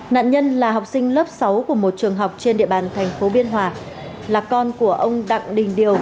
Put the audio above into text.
nạn nhân là học sinh lớp sáu của một trường học trên địa bàn thành phố biên hòa là con của ông đặng đình điều